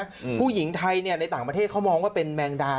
ผู้หญิงไทยเนี้ยในต่างประเทศเขามองว่าเป็นแมงดา